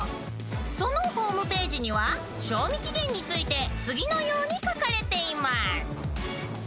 ［そのホームページには賞味期限について次のように書かれています］